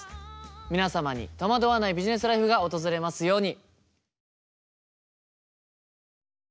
皆様に戸惑わないビジネスライフが訪れますように。